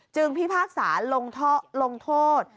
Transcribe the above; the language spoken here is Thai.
พิพากษาลงโทษ